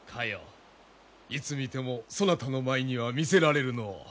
いつ見てもそなたの舞には魅せられるのう。